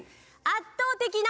「圧倒的な」